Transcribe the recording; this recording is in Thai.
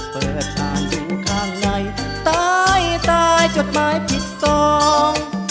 เปิดทางอยู่ข้างในตายตายจดหมายผิดสอง